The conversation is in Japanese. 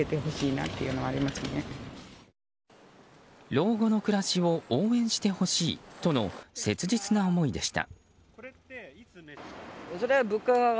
老後の暮らしを応援してほしいとの切実な思いでした。